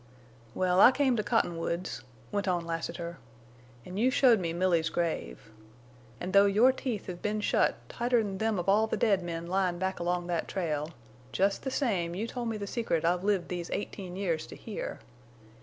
"Well, I came to Cottonwoods," went on Lassiter, "an' you showed me Milly's grave. An' though your teeth have been shut tighter'n them of all the dead men lyin' back along that trail, jest the same you told me the secret I've lived these eighteen years to hear!